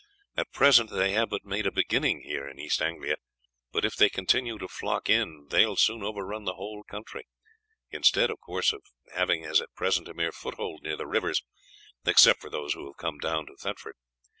At present they have but made a beginning here in East Anglia; but if they continue to flock in they will soon overrun the whole country, instead of having, as at present, a mere foothold near the rivers except for those who have come down to Thetford.